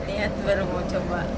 ini baru mau coba